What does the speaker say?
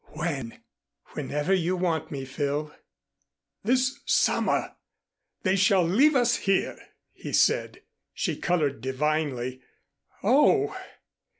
"When?" "Whenever you want me, Phil." "This summer! They shall leave us here!" he said. She colored divinely. "Oh!"